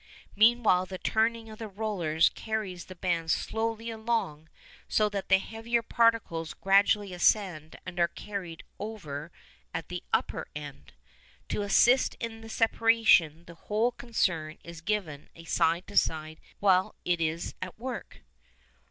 Meanwhile the turning of the rollers carries the band slowly along, so that the heavier particles gradually ascend and are carried over at the upper end. To assist in the separation, the whole concern is given a side to side shaking motion while it is at work.